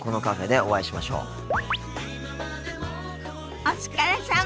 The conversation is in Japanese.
お疲れさま。